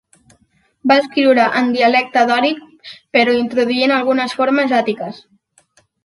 Va escriure en dialecte dòric, però introduint algunes formes àtiques.